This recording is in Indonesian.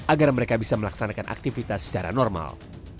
agar mereka bisa melaksanakan aktivitas secara normal